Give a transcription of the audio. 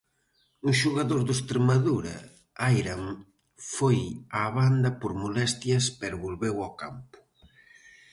Un xogador do Estremadura, Airam, foi á banda por molestias pero volveu ao campo.